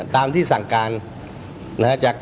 ตามที่สั่งการนะฮะ